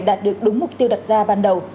đạt được đúng mục tiêu đặt ra ban đầu